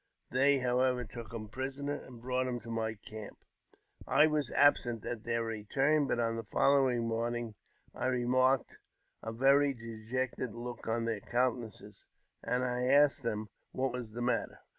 They, however, took him prisoner, and brought him to my camp. I was absent at their return ; but on the following morning I remarked a very dejected look on their countenances, and I asked them what was the matter.